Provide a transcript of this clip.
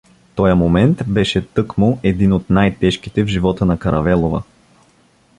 Тоя момент беше тъкмо един от най-тежките в живота на Каравелова.